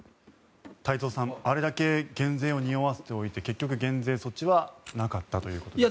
太蔵さんあれだけ減税をにおわせておいて結局、減税措置はなかったということですね。